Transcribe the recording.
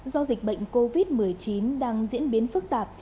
do dịch bệnh covid một mươi chín đang diễn biến phức tạp